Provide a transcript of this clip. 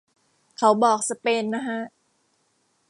เขาบอกสเปนนะฮะ